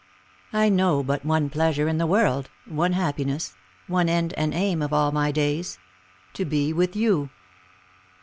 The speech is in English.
" I know but one pleasure in the world, one happiness, one end and aim of all my days : to be with you.